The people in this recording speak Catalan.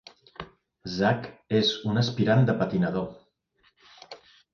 Zak és un aspirant de patinador.